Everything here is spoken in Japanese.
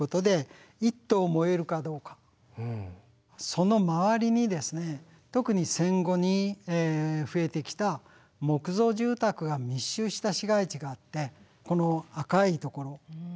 その周りに特に戦後に増えてきた木造住宅が密集した市街地があってこの赤いところ。